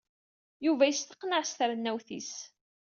Yuba yesteqneɛ s trennawt-is.